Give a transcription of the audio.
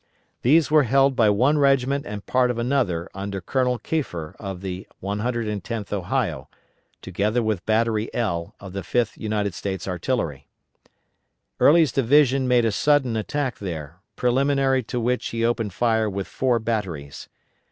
These were held by one regiment, and part of another under Colonel Keifer of the 110th Ohio, together with Battery "L" of the 5th United States Artillery. Early's division made a sudden attack there, preliminary to which he opened fire with four batteries.